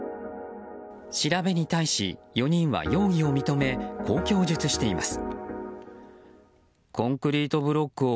調べに対し、４人は容疑を認めこう供述しています。